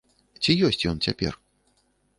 Ці ёсць ён цяпер?